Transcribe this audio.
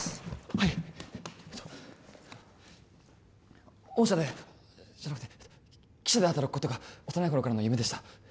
はいえっと御社でじゃなくて貴社で働くことが幼い頃からの夢でした